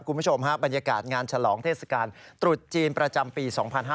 คุณผู้ชมฮะบรรยากาศงานฉลองเทศกาลตรุษจีนประจำปี๒๕๕๙